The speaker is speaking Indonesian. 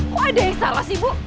kok ada yang salah sih bu